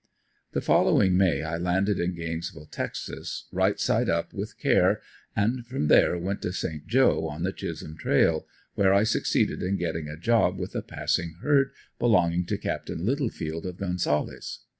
The following May I landed in Gainesville, Texas, "right side up with care" and from there went to Saint Joe on the Chisholm trail, where I succeeded in getting a job with a passing herd belonging to Capt. Littlefield of Gonzales.